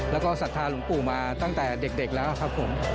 และก็สัทธารุมปู่มาตั้งแต่เด็กแล้วครับผม